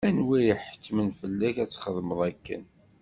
Anwa iḥettmen fell-ak ad txedmeḍ akken?